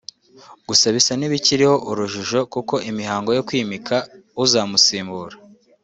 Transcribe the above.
Gusa bisa n’ibikiri urujijo kuko imihango yo kwimika uzamusimbura